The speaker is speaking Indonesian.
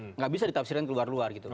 tidak bisa ditafsirkan ke luar luar